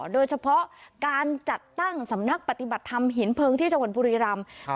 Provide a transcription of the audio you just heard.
โดยเฉพาะการจัดตั้งสำนักปฏิบัติธรรมหินเพลิงที่จังหวัดบุรีรำ